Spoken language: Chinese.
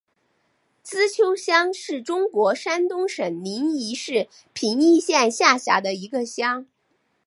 资邱乡是中国山东省临沂市平邑县下辖的一个乡。